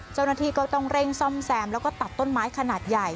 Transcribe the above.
เจ้าหน้าที่ก็ต้องเร่งซ่อมแซมแล้วก็ตัดต้นไม้ขนาดใหญ่